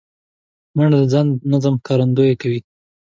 منډه د ځان د نظم ښکارندویي کوي